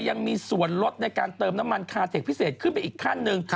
ยังมีส่วนลดในการเติมน้ำมันคาเทคพิเศษขึ้นไปอีกขั้นหนึ่ง